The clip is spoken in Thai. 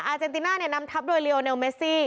อาเจนติน่านำทับโดยลีโอเนลเมซี่